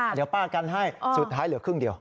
เดี๋ยวป้ากันให้สุดท้ายเหลือครึ่งเดียว